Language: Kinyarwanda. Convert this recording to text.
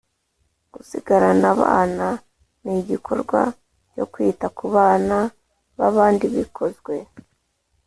Gusigarana bana ni igikorwa cyo kwita ku bana b abandi bikozwe